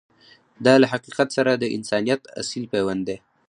دا له حقیقت سره د انسانیت اصیل پیوند دی.